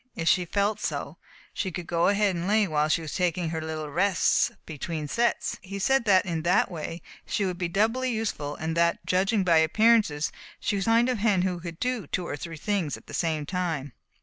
If she felt so, she could go ahead and lay while she was taking her little rests between sets. He said that in that way she would be doubly useful and that, judging by appearances, she was the kind of hen that could do two or three things at the same time.